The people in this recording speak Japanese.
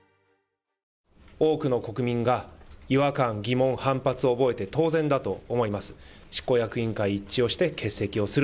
多くの国民が違和感、疑問、反発を覚えて当然だと思います。